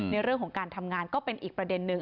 ในเรื่องของการทำงานก็เป็นอีกประเด็นนึง